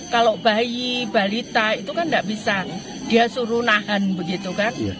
kalau bayi balita itu kan tidak bisa dia suruh nahan begitu kan